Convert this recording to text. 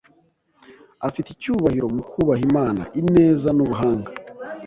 afite icyubahiro mu kubaha Imana ineza n'ubuhanga